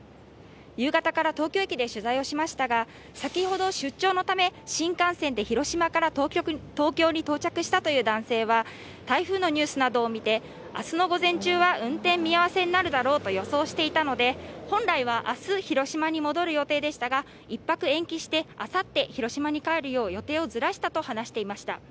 夕方から東京駅で取材をしましたが先ほど出張のため新幹線で広島から東京に到着したという男性は台風のニュースなどを見て、明日の午前中は運転見合せになるだろうと予想していたので、本来は明日広島に戻る予定でしたが１泊延期してあさって広島に帰るよう予定をずらしたと話していました。